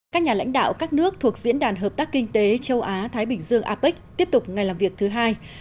các nhà lãnh đạo các nước thuộc diễn đàn hợp tác kinh tế châu á thái bình dương apec tiếp tục ngày làm việc thứ hai